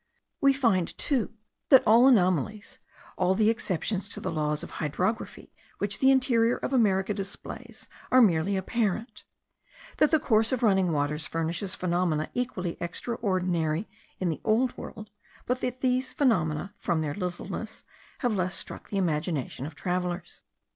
We find, too, that all anomalies, all the exceptions to the laws of hydrography, which the interior of America displays, are merely apparent; that the course of running waters furnishes phenomena equally extraordinary in the old world, but that these phenomena, from their littleness, have less struck the imagination of travellers.